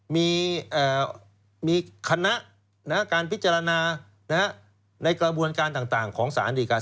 มีคณะการพิจารณาในกระบวนการต่างของสารดีการ